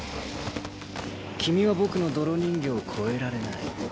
君は僕の泥人形を超えられない。